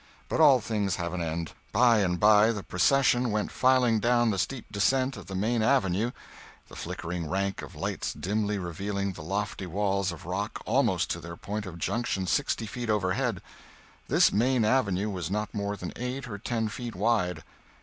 But all things have an end. By and by the procession went filing down the steep descent of the main avenue, the flickering rank of lights dimly revealing the lofty walls of rock almost to their point of junction sixty feet overhead. This main avenue was not more than eight or ten feet wide.